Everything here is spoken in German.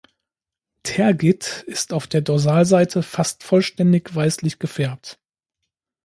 Tergit ist auf der Dorsalseite fast vollständig weißlich gefärbt.